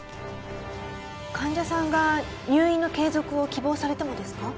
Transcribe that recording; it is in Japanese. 患者さんが入院の継続を希望されてもですか？